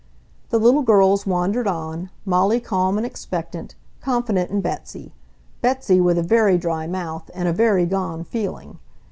The little girls wandered on, Molly calm and expectant, confident in Betsy; Betsy with a very dry mouth and a very gone feeling.